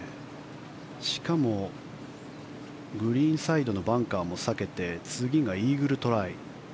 しかもグリーンサイドのバンカーも避けて次がイーグルトライ。